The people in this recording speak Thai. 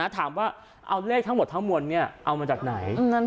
ถามว่าเอาเลขทั้งหมดทั้งมวลเอามาจากไหน